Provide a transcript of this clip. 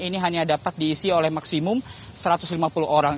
ini hanya dapat diisi oleh maksimum satu ratus lima puluh orang